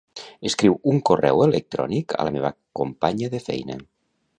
Escriu un correu electrònic a la meva companya de feina.